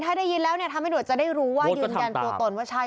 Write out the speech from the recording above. ถ้าได้ยินแล้วเนี่ยทำให้หน่วยจะได้รู้ว่ายืนยันตัวตนว่าใช่